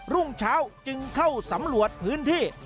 รุ่งเช้าจึงเข้าสำรวจพื้นที่